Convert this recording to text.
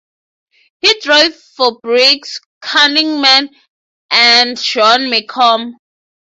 He drove for Briggs Cunningham and John Mecom.